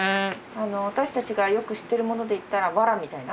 私たちがよく知ってるもので言ったらわらみたいな？